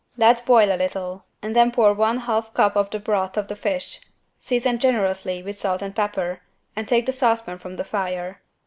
Let boil a little and then pour one half cup of the broth of the fish: season generously with salt and pepper and take the saucepan from the fire.